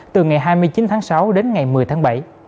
từ ngày hai mươi chín tháng sáu đến ngày một mươi tháng bảy